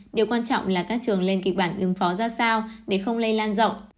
điều quan trọng là các trường lên kịch bản ứng phó ra sao để không lây lan rộng